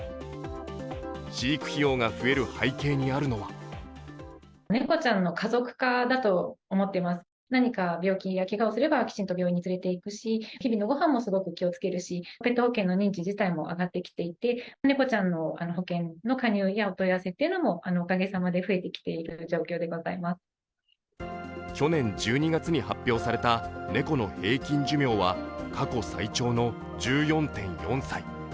飼育費用が増える背景にあるのは去年１２月に発表された猫の平均寿命は過去最長の１４．４歳。